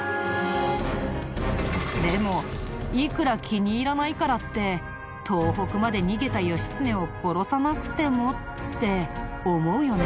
でもいくら気に入らないからって東北まで逃げた義経を殺さなくてもって思うよね。